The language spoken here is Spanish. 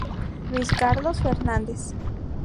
Luis Carlos Fernández.